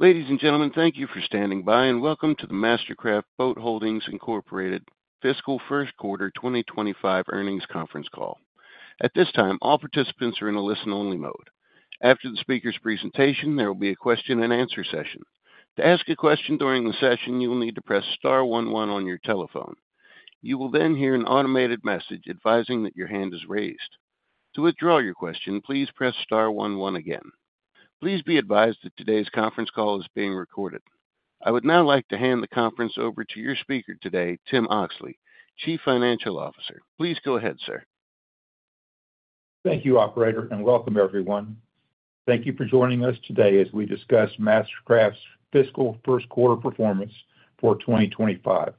Ladies and gentlemen, thank you for standing by, and welcome to the MasterCraft Boat Holdings, Incorporated Fiscal First Quarter 2025 Earnings Conference Call. At this time, all participants are in a listen-only mode. After the speaker's presentation, there will be a question-and-answer session. To ask a question during the session, you will need to press star one one on your telephone. You will then hear an automated message advising that your hand is raised. To withdraw your question, please press star one one again. Please be advised that today's conference call is being recorded. I would now like to hand the conference over to your speaker today, Tim Oxley, Chief Financial Officer. Please go ahead, sir. Thank you, Operator, and welcome, everyone. Thank you for joining us today as we discuss MasterCraft's Fiscal First Quarter performance for 2025.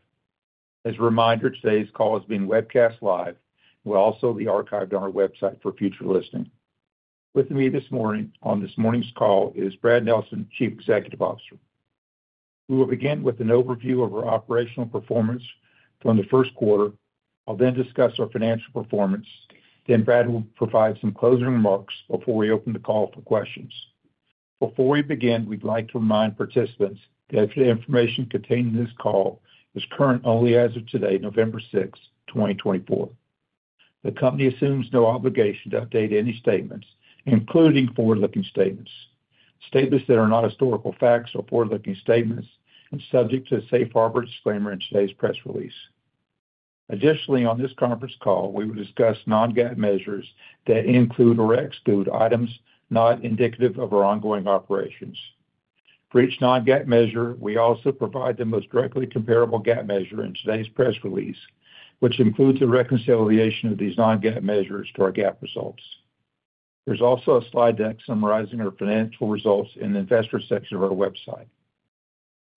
As a reminder, today's call is being webcast live. We'll also be archived on our website for future listening. With me this morning on this morning's call is Brad Nelson, Chief Executive Officer. We will begin with an overview of our operational performance from the first quarter. I'll then discuss our financial performance. Then Brad will provide some closing remarks before we open the call for questions. Before we begin, we'd like to remind participants that the information contained in this call is current only as of today, November 6th, 2024. The company assumes no obligation to update any statements, including forward-looking statements. Statements that are not historical facts or forward-looking statements are subject to a safe harbor disclaimer in today's press release. Additionally, on this conference call, we will discuss non-GAAP measures that include or exclude items not indicative of our ongoing operations. For each non-GAAP measure, we also provide the most directly comparable GAAP measure in today's press release, which includes a reconciliation of these non-GAAP measures to our GAAP results. There's also a slide deck summarizing our financial results in the investor section of our website.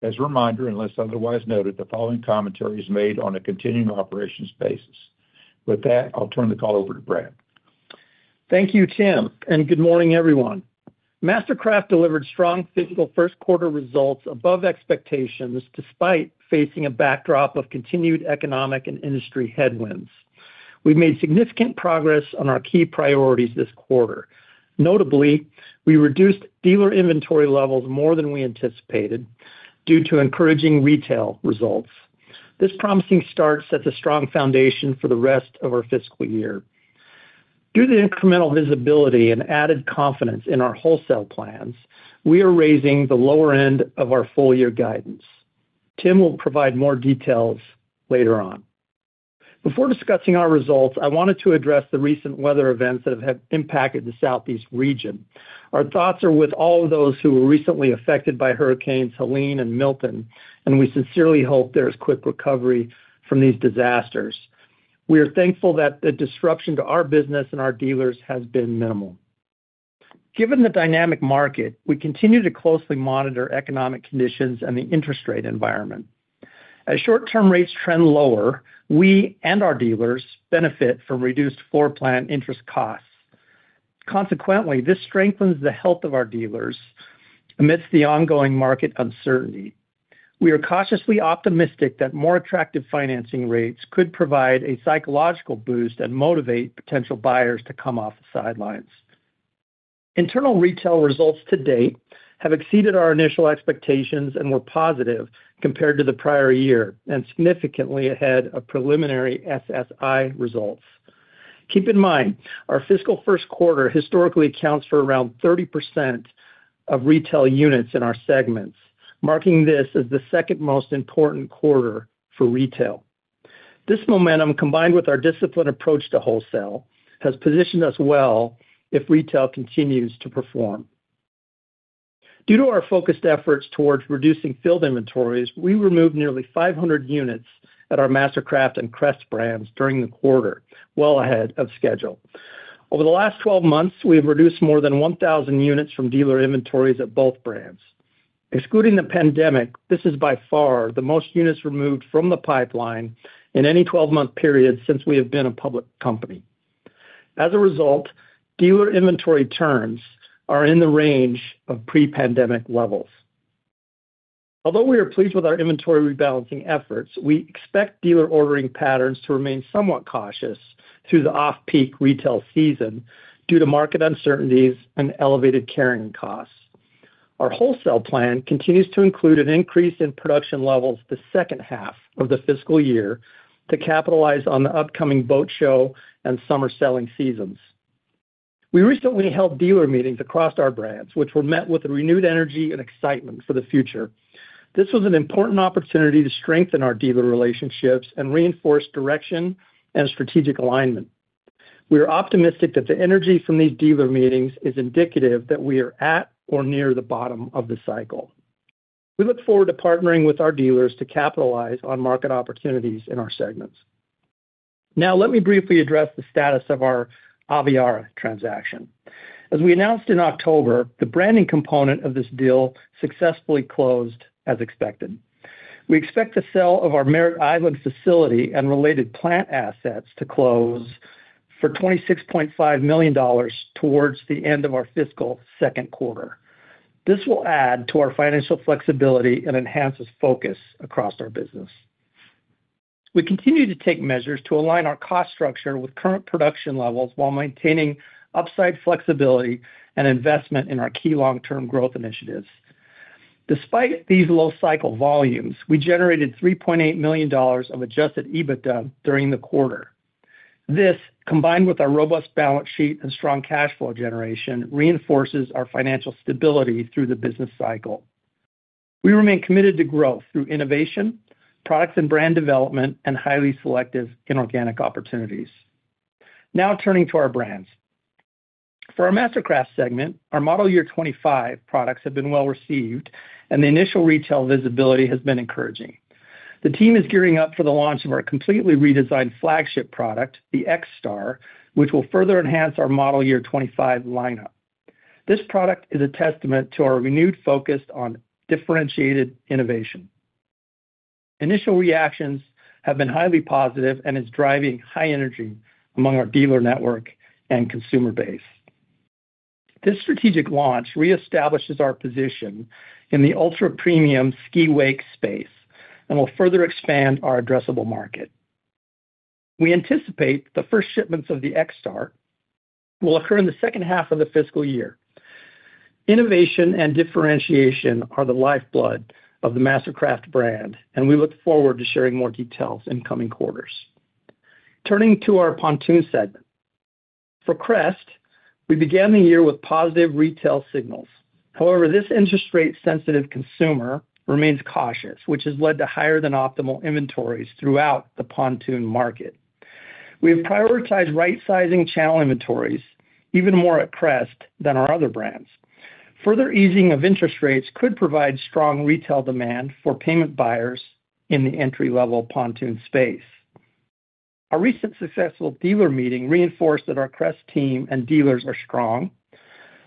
As a reminder, unless otherwise noted, the following commentary is made on a continuing operations basis. With that, I'll turn the call over to Brad. Thank you, Tim, and good morning, everyone. MasterCraft delivered strong fiscal first quarter results above expectations despite facing a backdrop of continued economic and industry headwinds. We've made significant progress on our key priorities this quarter. Notably, we reduced dealer inventory levels more than we anticipated due to encouraging retail results. This promising start sets a strong foundation for the rest of our fiscal year. Due to the incremental visibility and added confidence in our wholesale plans, we are raising the lower end of our full-year guidance. Tim will provide more details later on. Before discussing our results, I wanted to address the recent weather events that have impacted the Southeast region. Our thoughts are with all of those who were recently affected by Hurricanes Helene and Milton, and we sincerely hope there is quick recovery from these disasters. We are thankful that the disruption to our business and our dealers has been minimal. Given the dynamic market, we continue to closely monitor economic conditions and the interest rate environment. As short-term rates trend lower, we and our dealers benefit from reduced floor plan interest costs. Consequently, this strengthens the health of our dealers amidst the ongoing market uncertainty. We are cautiously optimistic that more attractive financing rates could provide a psychological boost and motivate potential buyers to come off the sidelines. Internal retail results to date have exceeded our initial expectations and were positive compared to the prior year and significantly ahead of preliminary SSI results. Keep in mind, our fiscal first quarter historically accounts for around 30% of retail units in our segments, marking this as the second most important quarter for retail. This momentum, combined with our disciplined approach to wholesale, has positioned us well if retail continues to perform. Due to our focused efforts toward reducing field inventories, we removed nearly 500 units at our MasterCraft and Crest brands during the quarter, well ahead of schedule. Over the last 12 months, we have reduced more than 1,000 units from dealer inventories at both brands. Excluding the pandemic, this is by far the most units removed from the pipeline in any 12-month period since we have been a public company. As a result, dealer inventory terms are in the range of pre-pandemic levels. Although we are pleased with our inventory rebalancing efforts, we expect dealer ordering patterns to remain somewhat cautious through the off-peak retail season due to market uncertainties and elevated carrying costs. Our wholesale plan continues to include an increase in production levels the second half of the fiscal year to capitalize on the upcoming boat show and summer selling seasons. We recently held dealer meetings across our brands, which were met with renewed energy and excitement for the future. This was an important opportunity to strengthen our dealer relationships and reinforce direction and strategic alignment. We are optimistic that the energy from these dealer meetings is indicative that we are at or near the bottom of the cycle. We look forward to partnering with our dealers to capitalize on market opportunities in our segments. Now, let me briefly address the status of our Aviara transaction. As we announced in October, the branding component of this deal successfully closed as expected. We expect the sale of our Merritt Island facility and related plant assets to close for $26.5 million towards the end of our fiscal second quarter. This will add to our financial flexibility and enhance focus across our business. We continue to take measures to align our cost structure with current production levels while maintaining upside flexibility and investment in our key long-term growth initiatives. Despite these low cycle volumes, we generated $3.8 million of Adjusted EBITDA during the quarter. This, combined with our robust balance sheet and strong cash flow generation, reinforces our financial stability through the business cycle. We remain committed to growth through innovation, products and brand development, and highly selective inorganic opportunities. Now, turning to our brands. For our MasterCraft segment, our model year 2025 products have been well received, and the initial retail visibility has been encouraging. The team is gearing up for the launch of our completely redesigned flagship product, the XStar, which will further enhance our model year 2025 lineup. This product is a testament to our renewed focus on differentiated innovation. Initial reactions have been highly positive and are driving high energy among our dealer network and consumer base. This strategic launch reestablishes our position in the ultra-premium ski-wake space and will further expand our addressable market. We anticipate the first shipments of the XStar will occur in the second half of the fiscal year. Innovation and differentiation are the lifeblood of the MasterCraft brand, and we look forward to sharing more details in coming quarters. Turning to our pontoon segment. For Crest, we began the year with positive retail signals. However, this interest rate-sensitive consumer remains cautious, which has led to higher than optimal inventories throughout the pontoon market. We have prioritized right-sizing channel inventories even more at Crest than our other brands. Further easing of interest rates could provide strong retail demand for payment buyers in the entry-level pontoon space. Our recent successful dealer meeting reinforced that our Crest team and dealers are strong.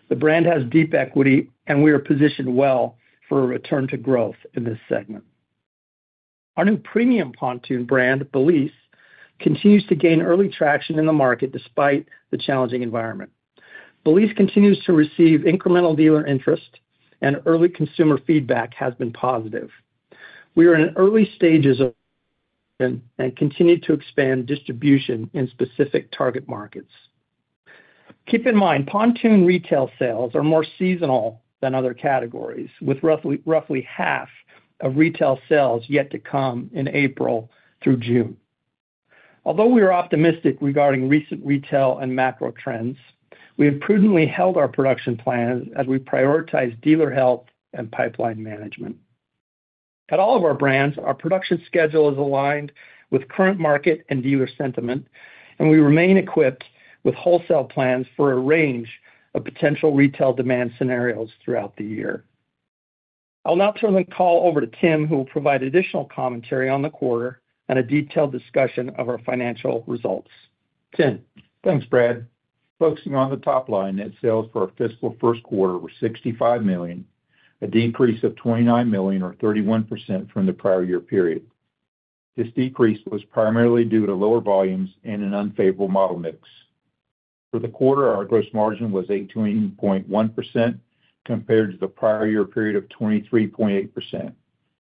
The brand has deep equity, and we are positioned well for a return to growth in this segment. Our new premium pontoon brand, Balise, continues to gain early traction in the market despite the challenging environment. Balise continues to receive incremental dealer interest, and early consumer feedback has been positive. We are in early stages of and continue to expand distribution in specific target markets. Keep in mind, pontoon retail sales are more seasonal than other categories, with roughly half of retail sales yet to come in April through June. Although we are optimistic regarding recent retail and macro trends, we have prudently held our production plans as we prioritize dealer health and pipeline management. At all of our brands, our production schedule is aligned with current market and dealer sentiment, and we remain equipped with wholesale plans for a range of potential retail demand scenarios throughout the year. I'll now turn the call over to Tim, who will provide additional commentary on the quarter and a detailed discussion of our financial results. Tim, thanks, Brad. Focusing on the top line, sales for our fiscal first quarter were $65 million, a decrease of $29 million, or 31% from the prior year period. This decrease was primarily due to lower volumes and an unfavorable model mix. For the quarter, our gross margin was 81.1% compared to the prior year period of 23.8%.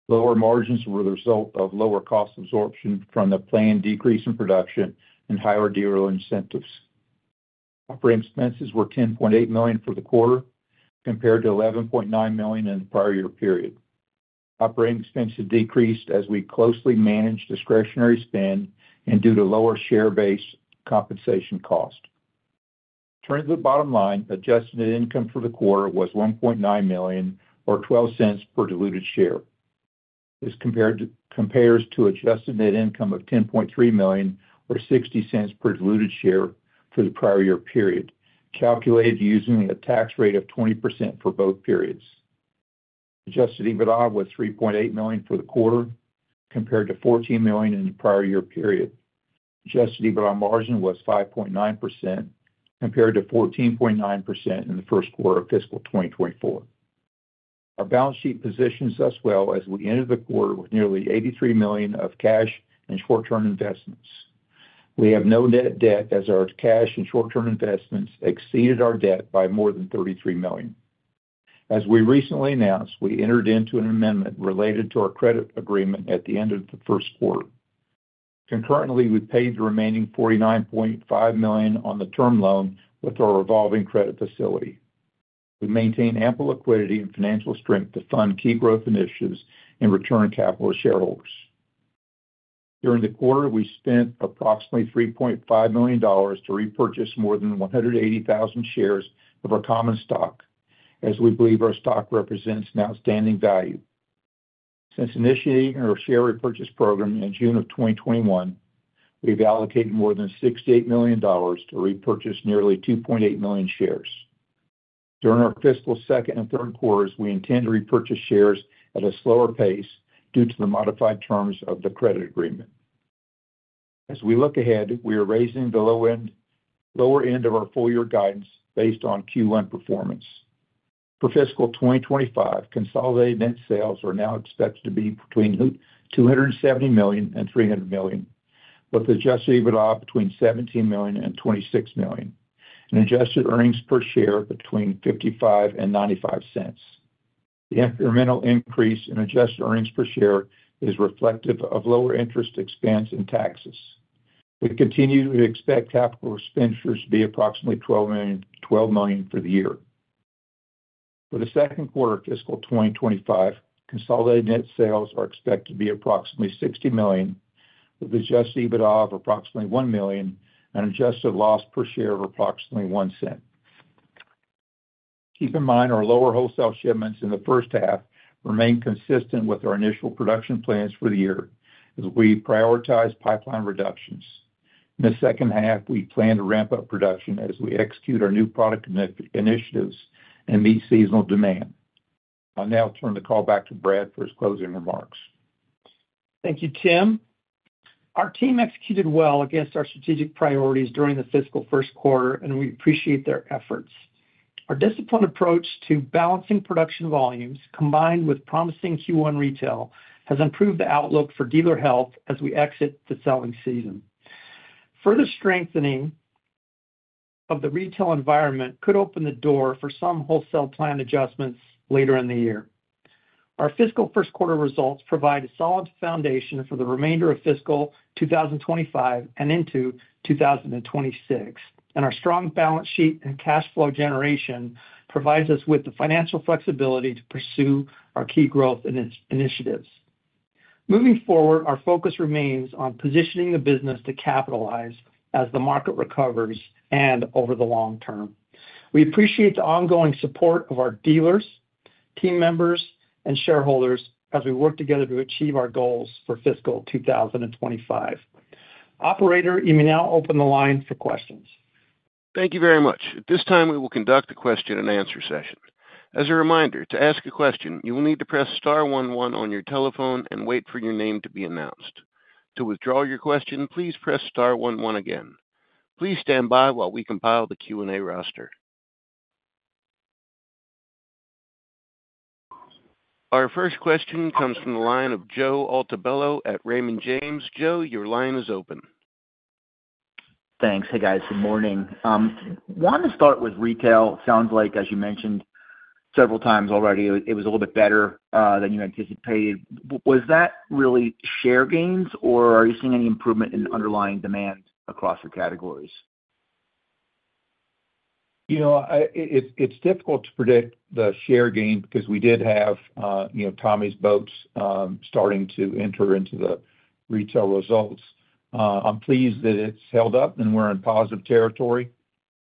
Lower margins were the result of lower cost absorption from the planned decrease in production and higher dealer incentives. Operating expenses were $10.8 million for the quarter compared to $11.9 million in the prior year period. Operating expenses decreased as we closely managed discretionary spend and due to lower share-based compensation cost. Turning to the bottom line, adjusted net income for the quarter was $1.9 million, or $0.12 per diluted share. This compares to adjusted net income of $10.3 million, or $0.60 per diluted share for the prior year period, calculated using a tax rate of 20% for both periods. Adjusted EBITDA was $3.8 million for the quarter compared to $14 million in the prior year period. Adjusted EBITDA margin was 5.9% compared to 14.9% in the first quarter of fiscal 2024. Our balance sheet positions us well as we entered the quarter with nearly $83 million of cash and short-term investments. We have no net debt as our cash and short-term investments exceeded our debt by more than $33 million. As we recently announced, we entered into an amendment related to our credit agreement at the end of the first quarter. Concurrently, we paid the remaining $49.5 million on the term loan with our revolving credit facility. We maintain ample liquidity and financial strength to fund key growth initiatives and return capital to shareholders. During the quarter, we spent approximately $3.5 million to repurchase more than 180,000 shares of our common stock, as we believe our stock represents outstanding value. Since initiating our share repurchase program in June of 2021, we've allocated more than $68 million to repurchase nearly 2.8 million shares. During our fiscal second and third quarters, we intend to repurchase shares at a slower pace due to the modified terms of the credit agreement. As we look ahead, we are raising the lower end of our full-year guidance based on Q1 performance. For fiscal 2025, consolidated net sales are now expected to be between $270 million and $300 million, with Adjusted EBITDA between $17 million and $26 million, and Adjusted Earnings Per Share between $0.55 and $0.95. The incremental increase in adjusted earnings per share is reflective of lower interest expense and taxes. We continue to expect capital expenditures to be approximately $12 million for the year. For the second quarter of fiscal 2025, consolidated net sales are expected to be approximately $60 million, with adjusted EBITDA of approximately $1 million and adjusted loss per share of approximately $0.01. Keep in mind our lower wholesale shipments in the first half remain consistent with our initial production plans for the year as we prioritize pipeline reductions. In the second half, we plan to ramp up production as we execute our new product initiatives and meet seasonal demand. I'll now turn the call back to Brad for his closing remarks. Thank you, Tim. Our team executed well against our strategic priorities during the fiscal first quarter, and we appreciate their efforts. Our disciplined approach to balancing production volumes, combined with promising Q1 retail, has improved the outlook for dealer health as we exit the selling season. Further strengthening of the retail environment could open the door for some wholesale plan adjustments later in the year. Our fiscal first quarter results provide a solid foundation for the remainder of fiscal 2025 and into 2026, and our strong balance sheet and cash flow generation provides us with the financial flexibility to pursue our key growth initiatives. Moving forward, our focus remains on positioning the business to capitalize as the market recovers and over the long term. We appreciate the ongoing support of our dealers, team members, and shareholders as we work together to achieve our goals for fiscal 2025. Operator, you may now open the line for questions. Thank you very much. At this time, we will conduct a question and answer session. As a reminder, to ask a question, you will need to press star 11 on your telephone and wait for your name to be announced. To withdraw your question, please press star 11 again. Please stand by while we compile the Q&A roster. Our first question comes from the line of Joe Altobello at Raymond James. Joe, your line is open. Thanks. Hey, guys. Good morning. I wanted to start with retail. Sounds like, as you mentioned several times already, it was a little bit better than you anticipated. Was that really share gains, or are you seeing any improvement in underlying demand across your categories? You know, it's difficult to predict the share gain because we did have Tommy's Boats starting to enter into the retail results. I'm pleased that it's held up, and we're in positive territory.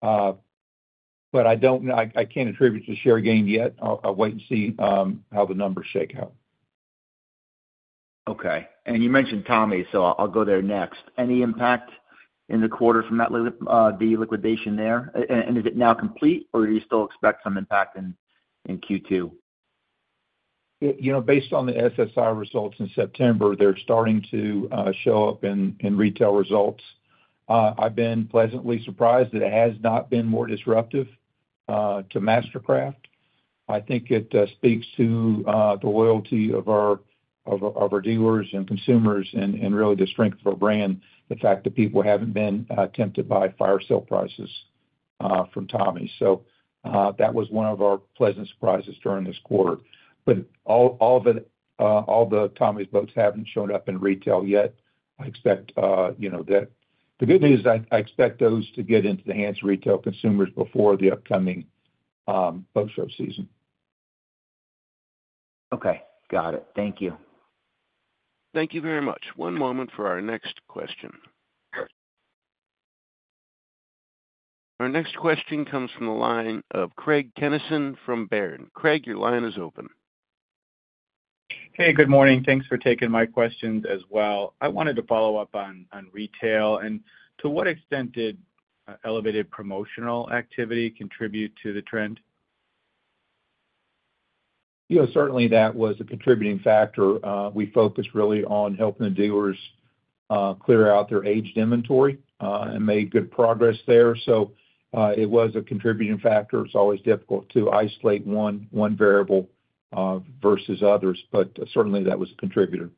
But I can't attribute it to share gain yet. I'll wait and see how the numbers shake out. Okay. And you mentioned Tommy, so I'll go there next. Any impact in the quarter from that liquidation there? And is it now complete, or do you still expect some impact in Q2? You know, based on the SSI results in September, they're starting to show up in retail results. I've been pleasantly surprised that it has not been more disruptive to MasterCraft. I think it speaks to the loyalty of our dealers and consumers and really the strength of our brand, the fact that people haven't been tempted by fire sale prices from Tommy's. So that was one of our pleasant surprises during this quarter. But all the Tommy's Boats haven't shown up in retail yet. I expect that the good news is I expect those to get into the hands of retail consumers before the upcoming boat show season. Okay. Got it. Thank you. Thank you very much. One moment for our next question. Our next question comes from the line of Craig Kennison from Baird. Craig, your line is open. Hey, good morning. Thanks for taking my questions as well. I wanted to follow up on retail and to what extent did elevated promotional activity contribute to the trend? You know, certainly that was a contributing factor. We focused really on helping the dealers clear out their aged inventory and made good progress there. So it was a contributing factor. It's always difficult to isolate one variable versus others, but certainly that was a contributor.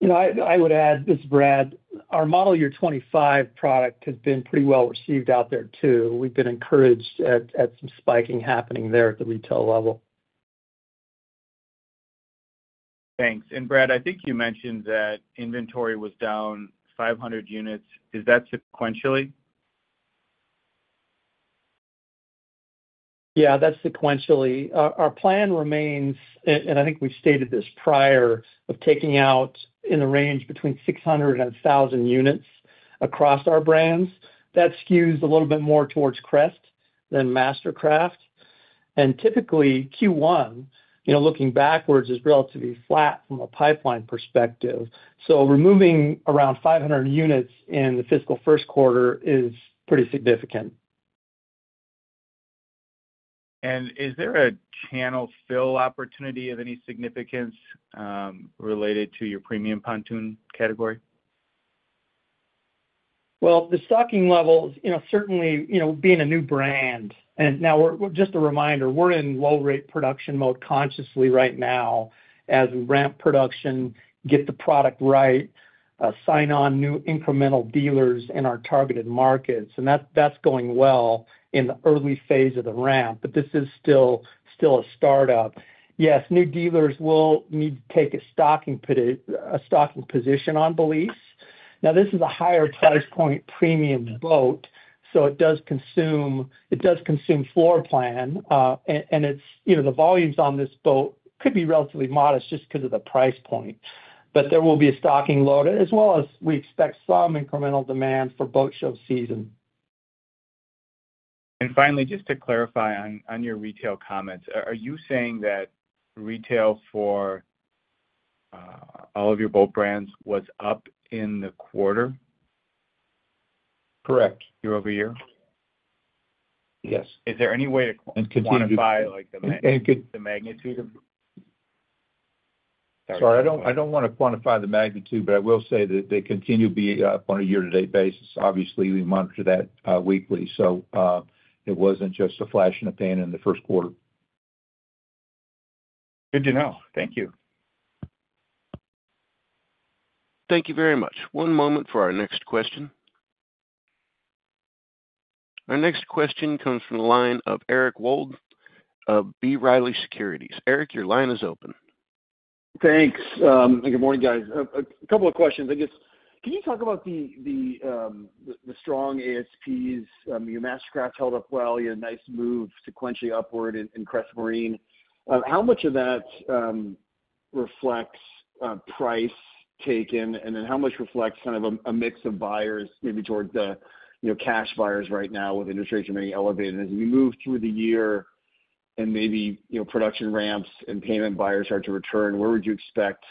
You know, I would add, this is Brad. Our model year 2025 product has been pretty well received out there too. We've been encouraged at some spiking happening there at the retail level. Thanks. And Brad, I think you mentioned that inventory was down 500 units. Is that sequentially? Yeah, that's sequentially. Our plan remains, and I think we've stated this prior, of taking out in the range between 600 and 1,000 units across our brands. That skews a little bit more towards Crest than MasterCraft. Typically, Q1, you know, looking backwards, is relatively flat from a pipeline perspective. So removing around 500 units in the fiscal first quarter is pretty significant. Is there a channel fill opportunity of any significance related to your premium pontoon category? The stocking levels, you know, certainly, you know, being a new brand. Now, just a reminder, we're in low-rate production mode consciously right now as we ramp production, get the product right, sign on new incremental dealers in our targeted markets. That's going well in the early phase of the ramp, but this is still a startup. Yes, new dealers will need to take a stocking position on Belise. Now, this is a higher price point premium boat, so it does consume floor plan. It's, you know, the volumes on this boat could be relatively modest just because of the price point. There will be a stocking load, as well as we expect some incremental demand for boat show season. Finally, just to clarify on your retail comments, are you saying that retail for all of your boat brands was up in the quarter? Correct. Year over year? Yes. Is there any way to quantify the magnitude of? Sorry, I don't want to quantify the magnitude, but I will say that they continue to be up on a year-to-date basis. Obviously, we monitor that weekly. So it wasn't just a flash in the pan in the first quarter. Good to know. Thank you. Thank you very much. One moment for our next question. Our next question comes from the line of Eric Wold of B. Riley Securities. Eric, your line is open. Thanks. Good morning, guys. A couple of questions. I guess, can you talk about the strong ASPs? MasterCraft held up well. You had a nice move sequentially upward in Crest Marine. How much of that reflects price taken? And then how much reflects kind of a mix of buyers, maybe towards the cash buyers right now, with interest rates remaining elevated? As we move through the year and maybe production ramps and payment buyers start to return, where would you expect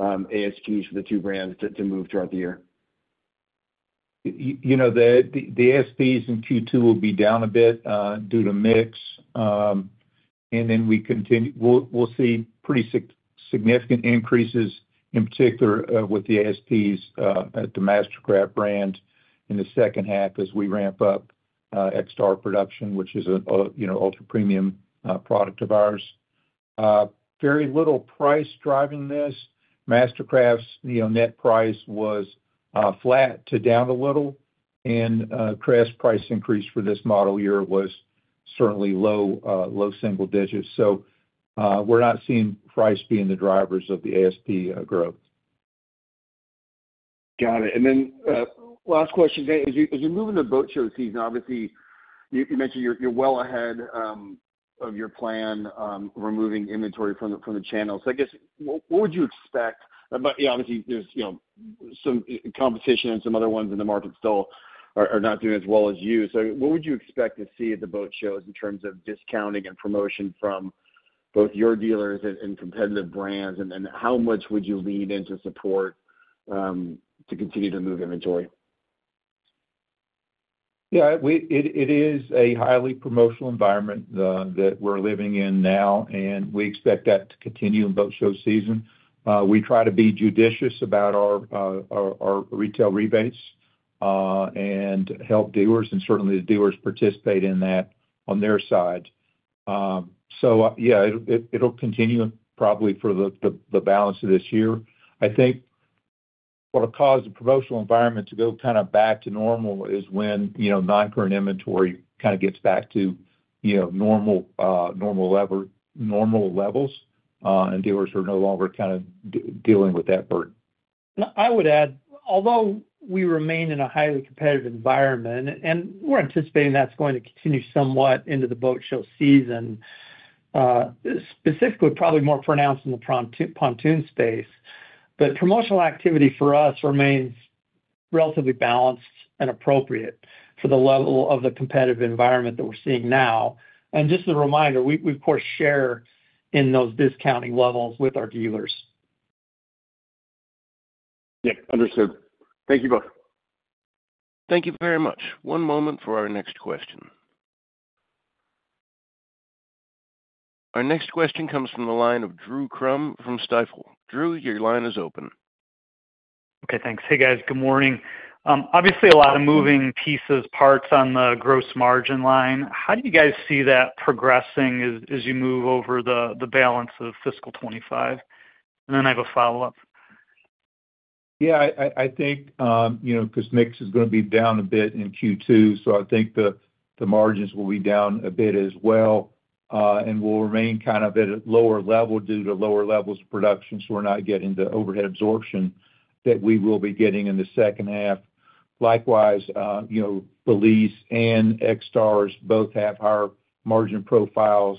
ASPs for the two brands to move throughout the year? You know, the ASPs in Q2 will be down a bit due to mix. And then we'll see pretty significant increases, in particular with the ASPs at the MasterCraft brand in the second half as we ramp up XR production, which is an ultra-premium product of ours. Very little price driving this. MasterCraft's net price was flat to down a little. And Crest's price increase for this model year was certainly low, low single digits. So we're not seeing price being the drivers of the ASP growth. Got it. And then last question, as you move into boat show season, obviously, you mentioned you're well ahead of your plan, removing inventory from the channels. So I guess, what would you expect? Obviously, there's some competition and some other ones in the market still are not doing as well as you. So what would you expect to see at the boat shows in terms of discounting and promotion from both your dealers and competitive brands? And how much would you lean into support to continue to move inventory? Yeah, it is a highly promotional environment that we're living in now, and we expect that to continue in boat show season. We try to be judicious about our retail rebates and help dealers, and certainly the dealers participate in that on their side. So yeah, it'll continue probably for the balance of this year. I think what'll cause the promotional environment to go kind of back to normal is when non-current inventory kind of gets back to normal levels, and dealers are no longer kind of dealing with that burden. I would add, although we remain in a highly competitive environment, and we're anticipating that's going to continue somewhat into the boat show season, specifically probably more pronounced in the pontoon space. But promotional activity for us remains relatively balanced and appropriate for the level of the competitive environment that we're seeing now. And just as a reminder, we, of course, share in those discounting levels with our dealers. Yep. Understood. Thank you both. Thank you very much. One moment for our next question. Our next question comes from the line of Drew Crum from Stifel. Drew, your line is open. Okay, thanks. Hey, guys, good morning. Obviously, a lot of moving pieces, parts on the gross margin line. How do you guys see that progressing as you move over the balance of fiscal 2025? And then I have a follow-up. Yeah, I think, you know, because mix is going to be down a bit in Q2, so I think the margins will be down a bit as well, and we'll remain kind of at a lower level due to lower levels of production, so we're not getting the overhead absorption that we will be getting in the second half. Likewise, you know, Belise and XStars both have higher margin profiles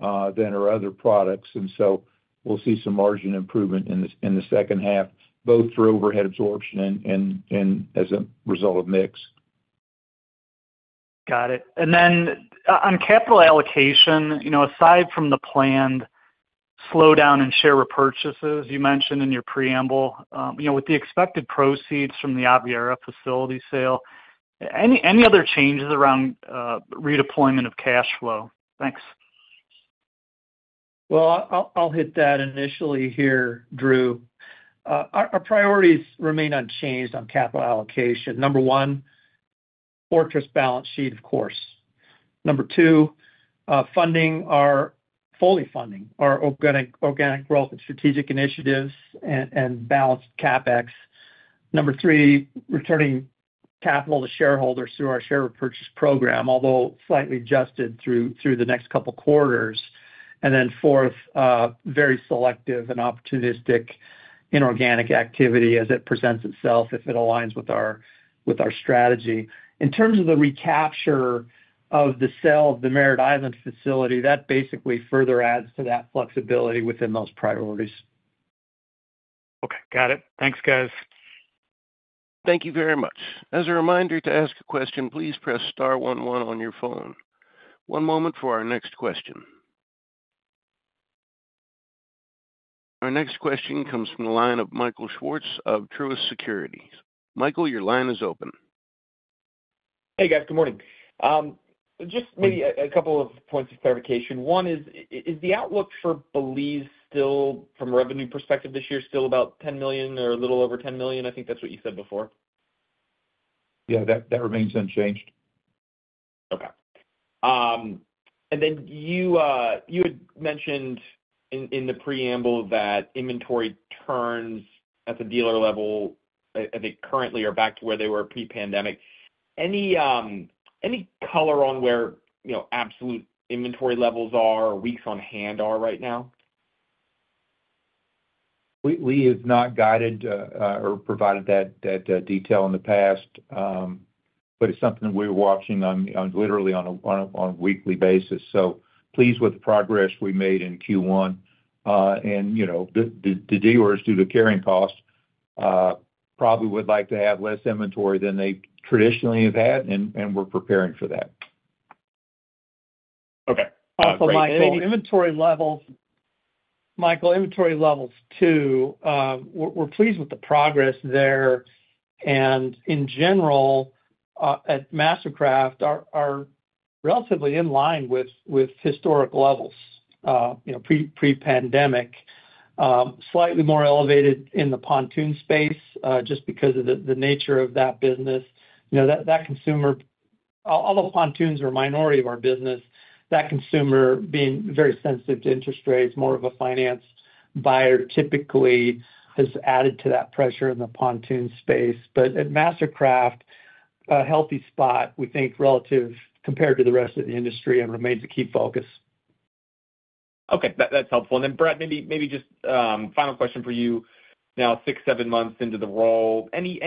than our other products, and so we'll see some margin improvement in the second half, both through overhead absorption and as a result of mix. Got it and then on capital allocation, you know, aside from the planned slowdown in share repurchases you mentioned in your preamble, you know, with the expected proceeds from the Aviara facility sale, any other changes around redeployment of cash flow? Thanks. I'll hit that initially here, Drew. Our priorities remain unchanged on capital allocation. Number one, fortress balance sheet, of course. Number two, fully funding our organic growth and strategic initiatives and balanced CapEx. Number three, returning capital to shareholders through our share repurchase program, although slightly adjusted through the next couple of quarters. And then fourth, very selective and opportunistic inorganic activity as it presents itself if it aligns with our strategy. In terms of the proceeds from the sale of the Merritt Island facility, that basically further adds to that flexibility within those priorities. Okay. Got it. Thanks, guys. Thank you very much. As a reminder to ask a question, please press star one one on your phone. One moment for our next question. Our next question comes from the line of Michael Swartz of Truist Securities. Michael, your line is open. Hey, guys. Good morning. Just maybe a couple of points of clarification. One is, is the outlook for Belise still, from a revenue perspective this year, still about $10 million or a little over $10 million? I think that's what you said before. Yeah, that remains unchanged. Okay. And then you had mentioned in the preamble that inventory turns at the dealer level, I think, currently are back to where they were pre-pandemic. Any color on where absolute inventory levels are or weeks on hand are right now? We have not guided or provided that detail in the past, but it's something we were watching literally on a weekly basis, so pleased with the progress we made in Q1, and you know, the dealers, due to carrying cost, probably would like to have less inventory than they traditionally have had, and we're preparing for that. Okay. Also, Michael, inventory levels too, we're pleased with the progress there. In general, at MasterCraft, are relatively in line with historic levels, you know, pre-pandemic, slightly more elevated in the pontoon space just because of the nature of that business. You know, that consumer, although pontoons are a minority of our business, that consumer being very sensitive to interest rates, more of a finance buyer typically has added to that pressure in the pontoon space. But at MasterCraft, a healthy spot, we think, relative compared to the rest of the industry and remains a key focus. Okay. That's helpful. And then, Brad, maybe just final question for you. Now, six, seven months into the role, any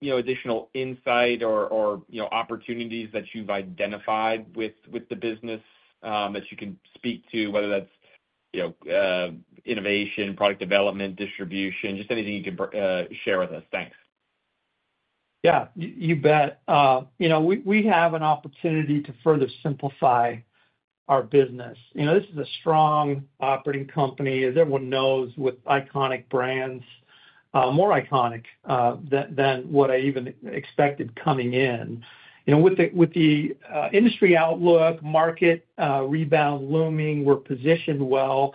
additional insight or opportunities that you've identified with the business that you can speak to, whether that's, you know, innovation, product development, distribution, just anything you can share with us? Thanks. Yeah, you bet. You know, we have an opportunity to further simplify our business. You know, this is a strong operating company. As everyone knows, with iconic brands, more iconic than what I even expected coming in. You know, with the industry outlook, market rebound looming, we're positioned well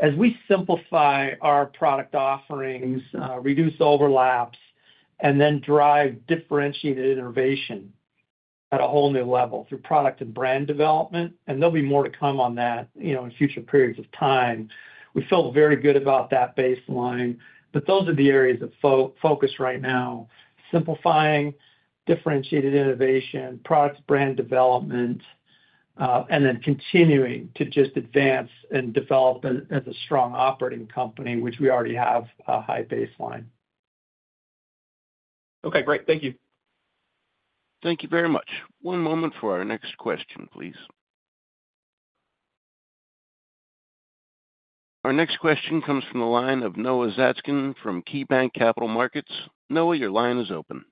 as we simplify our product offerings, reduce overlaps, and then drive differentiated innovation at a whole new level through product and brand development. And there'll be more to come on that, you know, in future periods of time. We feel very good about that baseline. But those are the areas of focus right now: simplifying, differentiated innovation, product brand development, and then continuing to just advance and develop as a strong operating company, which we already have a high baseline. Okay. Great. Thank you. Thank you very much. One moment for our next question, please. Our next question comes from the line of Noah Zatzkin from KeyBanc Capital Markets. Noah, your line is open.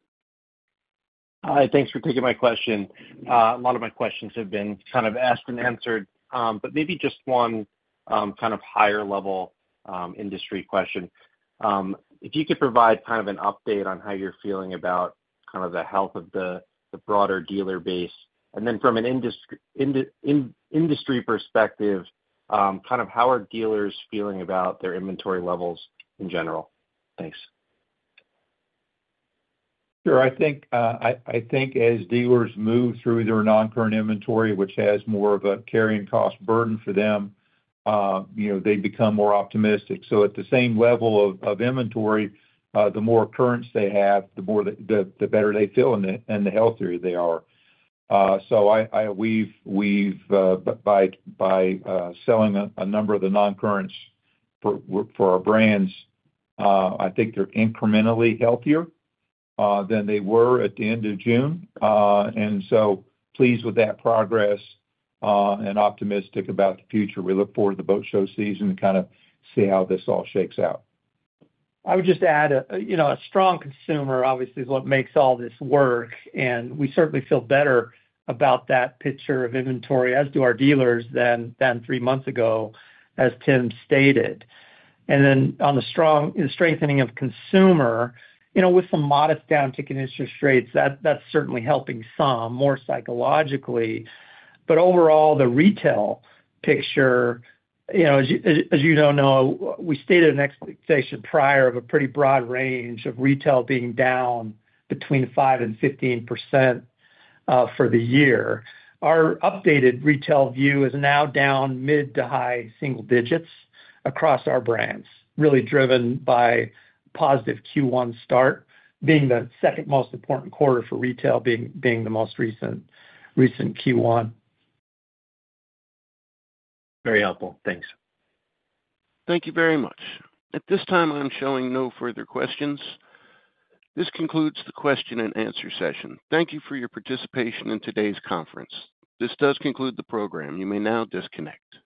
Hi. Thanks for taking my question. A lot of my questions have been kind of asked and answered, but maybe just one kind of higher-level industry question. If you could provide kind of an update on how you're feeling about kind of the health of the broader dealer base. And then from an industry perspective, kind of how are dealers feeling about their inventory levels in general? Thanks. Sure. I think as dealers move through their non-current inventory, which has more of a carrying cost burden for them, you know, they become more optimistic. So at the same level of inventory, the more currents they have, the better they feel and the healthier they are. So we've, by selling a number of the non-currents for our brands, I think they're incrementally healthier than they were at the end of June. And so pleased with that progress and optimistic about the future. We look forward to the boat show season to kind of see how this all shakes out. I would just add, you know, a strong consumer, obviously, is what makes all this work. And we certainly feel better about that picture of inventory, as do our dealers than three months ago, as Tim stated. And then on the strengthening of consumer, you know, with some modest downtick in interest rates, that's certainly helping some more psychologically. But overall, the retail picture, you know, as you know, we stated an expectation prior of a pretty broad range of retail being down between 5%-15% for the year. Our updated retail view is now down mid to high single digits across our brands, really driven by positive Q1 start, being the second most important quarter for retail being the most recent Q1. Very helpful. Thanks. Thank you very much. At this time, I'm showing no further questions. This concludes the question-and-answer session. Thank you for your participation in today's conference. This does conclude the program. You may now disconnect.